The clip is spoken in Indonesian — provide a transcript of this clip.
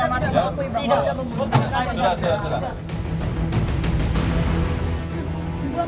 saya akan terus berjuang